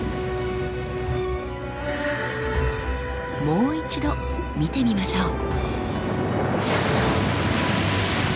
もう一度見てみましょう。